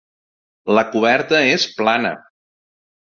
La coberta és plana.